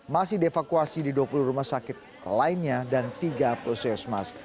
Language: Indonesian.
masih devakuasi di dua puluh rumah sakit lainnya dan tiga puluh seosmas